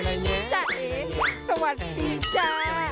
ใจเองสวัสดีจ้า